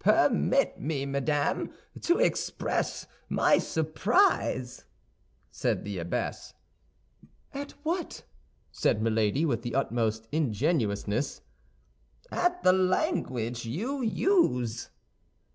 "Permit me, madame, to express my surprise," said the abbess. "At what?" said Milady, with the utmost ingenuousness. "At the language you use."